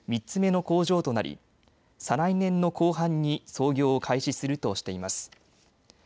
３つ目の工場となり再来年の後半に操業を開始するとしています。